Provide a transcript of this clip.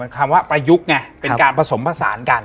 คำว่าประยุกต์ไงเป็นการผสมผสานกัน